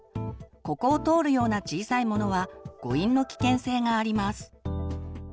ここを通るような小さいものは誤飲の危険性があります。